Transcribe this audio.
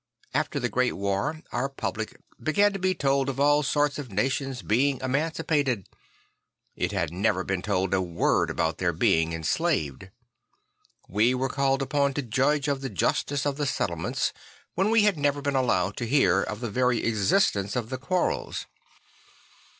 After the Great War our public began to be told of all sorts of nations being emancipated. I t had never been told a word about their being enslaved. \Ve were caned upon to judge of the justice of the settlements, when we had never been allowed to hear of the very existence of the quarrels.